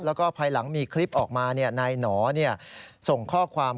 แล้วก็ภายหลังมีคลิปออกมานายหนอส่งข้อความ